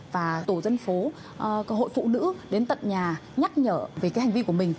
và tổ dân phố hội phụ nữ đến tận nhà nhắc nhở về cái hành vi của mình